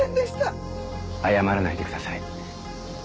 謝らないでください。